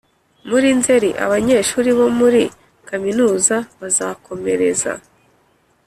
muri Nzeri, abanyeshuri bo muri kaminuza bazakomereza